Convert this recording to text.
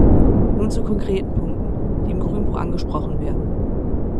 Nun zu konkreten Punkten, die im Grünbuch angesprochen werden.